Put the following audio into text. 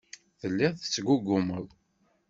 Telliḍ tettgugumeḍ.